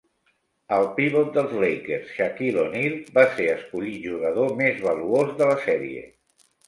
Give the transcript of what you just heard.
El pivot dels Lakers Shaquille O'Neal va ser escollit jugador més valuós de la serie.